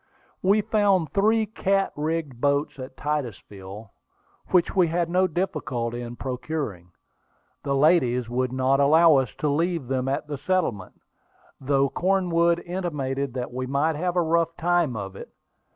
We found three cat rigged boats at Titusville, which we had no difficulty in procuring. The ladies would not allow us to leave them at the settlement, though Cornwood intimated that we might have a rough time of it.